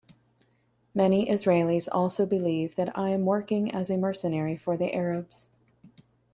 Many Israelis also believe that I am working as a mercenary for the Arabs.